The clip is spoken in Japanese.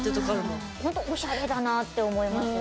ほんとおしゃれだなあって思いますね。